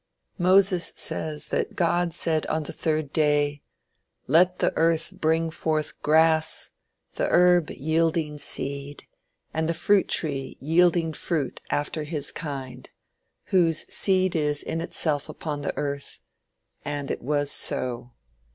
Moses says that God said on the third day, "Let the earth bring forth grass, the herb yielding seed, and the fruit tree yielding fruit after his kind, whose seed is in itself upon the earth; and it was so.